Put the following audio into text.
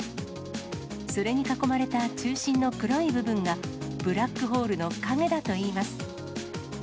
それに囲まれた中心の黒い部分が、ブラックホールの影だといいます。